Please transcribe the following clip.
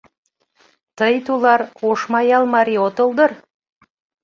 Тый, тулар, Ошмаял марий отыл дыр?